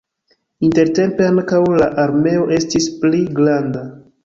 Intertempe ankaŭ la areo estis pli granda.